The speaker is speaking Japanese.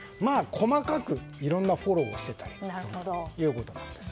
細かくいろんなフォローをしていたということです。